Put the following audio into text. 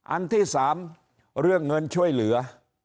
อันที่๓เรื่องเงินช่วยเหลือ